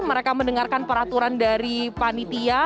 mereka mendengarkan peraturan dari panitia